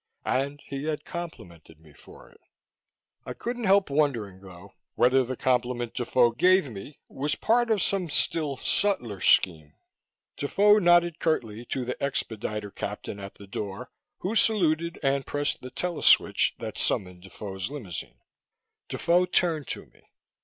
And he had complimented me for it! I couldn't help wondering, though, whether the compliment Defoe gave me was part of some still subtler scheme.... Defoe nodded curtly to the expediter captain at the door, who saluted and pressed the teleswitch that summoned Defoe's limousine. Defoe turned to me.